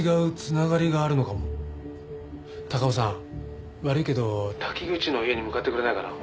高尾さん悪いけど滝口の家に向かってくれないかな？